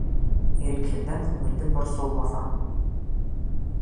Ирекһеҙҙән күңелде борсоу баҫа.